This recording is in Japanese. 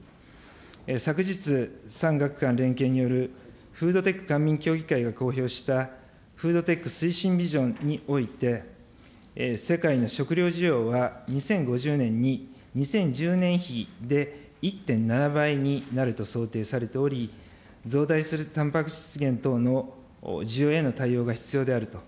昨日、産学官連携によるフードテック官民協議会が公表した、フードテック推進ビジョンにおいて、世界の食料需要は２０５０年に２０１０年比で１．７倍になると想定されており、増大するたんぱく質源等の需要への対応が必要であると。